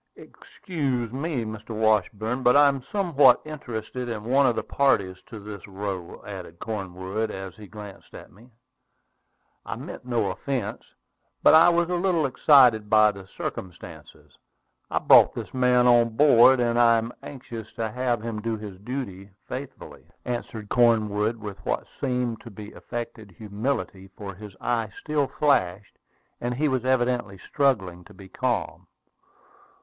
"Excuse me, Mr. Washburn; but I am somewhat interested in one of the parties to this row," added Cornwood, as he glanced at me. "I meant no offence, but I was a little excited by the circumstances. I brought this man on board, and I am anxious to have him do his duty faithfully," answered Cornwood, with what seemed to me to be affected humility, for his eye still flashed, and he was evidently struggling to be calm.